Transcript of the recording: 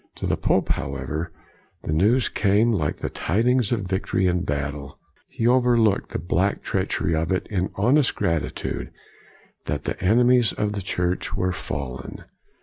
To the pope, however, the news came like the tidings of victory in battle. He overlooked the black treachery of it in honest gratitude that the enemies of the Church were fallen.